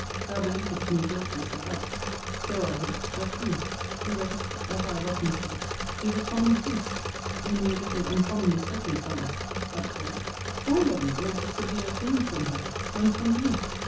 Thou believest me guiltless of that: so, I hope, does she. The rest, as I have often said, is a common case; only a little uncommonly circumstanced; that's all: Why, then, all these severe things from her, and from thee?